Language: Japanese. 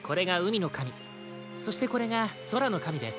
そしてこれがそらのかみです。